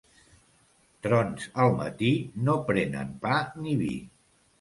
Trons al matí no prenen pa ni vi.